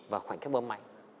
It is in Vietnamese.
và khoảnh khắc bơm mạnh